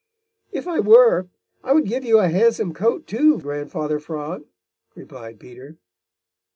"If I were, I would give you a handsome coat, too, Grandfather Frog," replied Peter.